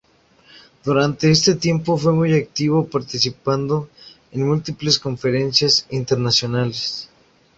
Durante ese tiempo fue muy activo participando en múltiples conferencias internacionales.